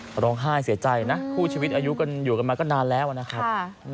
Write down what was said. บ้านลุงอยู่หลังแหลงครับ